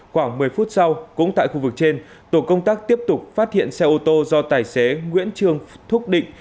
khoảng một mươi phút sau cũng tại khu vực trên tổ công tác tiếp tục phát hiện xe ô tô do tài xế nguyễn trương thúc định